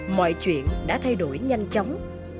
mọi chuyện đã thay đổi nhanh chóng